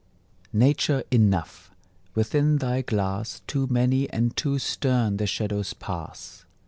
Nature, enough! within thy glass Too many and too stern the shadows pass.